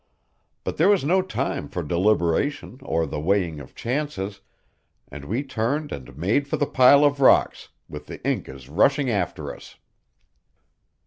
But there was no time for deliberation or the weighing of chances, and we turned and made for the pile of rocks, with the Incas rushing after us.